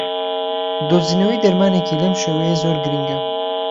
دۆزینەوەی دەرمانێکی لەم شێوەیە زۆر گرنگە